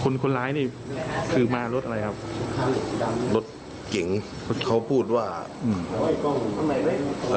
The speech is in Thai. คนร้ายนี่คือมารถอะไรครับรถเก่งเขาพูดว่าอืม